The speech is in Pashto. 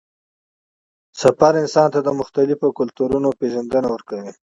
سفر انسان ته د مختلفو کلتورونو پېژندنه ورکوي